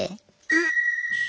えっ！